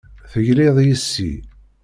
Tegliḍ yes-i.